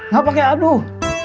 gak pake aduh